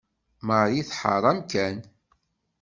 Marie tḥeṛṛ amkan.